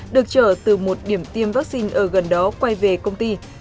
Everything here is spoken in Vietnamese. được trở từ một điểm tiêm vaccine ở gần đó quay về công ty